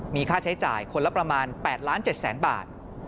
มีค่าใช้จ่ายคนละประมาณ๘๗๐๐๐๐๐บาท